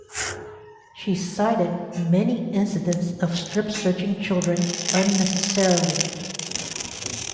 She cited "many incidents of strip searching children unnecessarily".